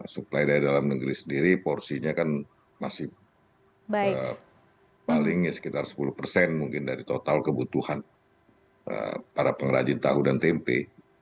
supply dari dalam negeri sendiri porsinya kan masih paling sekitar sepuluh persen mungkin dari total kebutuhan para pengrajin tahu dan tempe